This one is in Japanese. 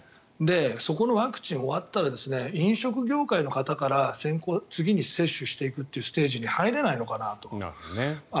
そこのワクチンが終わったら飲食業界の方から次に接種していくというステージに入れないのかなと。